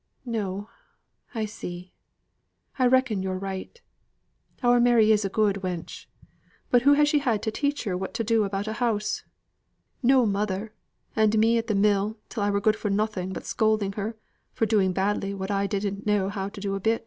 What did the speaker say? "No, I see. I reckon yo're right. Our Mary's a good wench; but who has she had to teach her what to do about a house? No mother, and me at the mill till I was good for nothing but scolding her for doing badly what I didn't know how to do a bit.